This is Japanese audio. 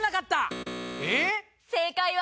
正解は。